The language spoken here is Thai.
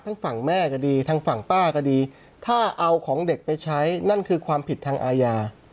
ทั้งฝั่งแม่ก็ดีทางฝั่งป้าก็ดีถ้าเอาของเด็กไปใช้นั่นคือความผิดทางอาญา